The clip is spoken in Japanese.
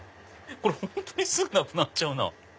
これ本当にすぐなくなっちゃうなぁ。